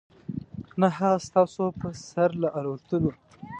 نه هغه ستاسو په سر له الوتلو .